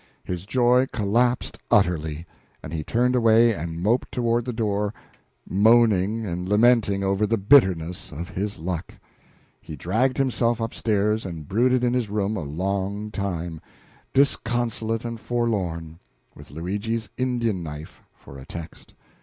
His joy collapsed utterly, and he turned away and moped toward the door moaning and lamenting over the bitterness of his luck. He dragged himself up stairs, and brooded in his room a long time disconsolate and forlorn, with Luigi's Indian knife for a text.